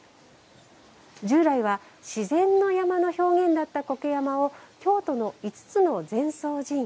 従来は自然の山の表現だった苔山を京都の５つの禅僧寺院